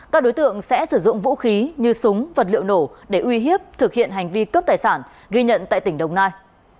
các đối tượng sẽ sử dụng vũ khí như súng vật liệu nổ để uy hiếp thực hiện hành vi cướp tài sản ghi nhận tại tỉnh đồng nai